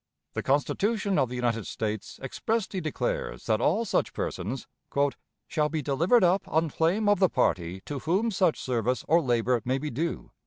The Constitution of the United States expressly declares that all such persons "Shall be delivered up on claim of the party to whom such service or labor may be due."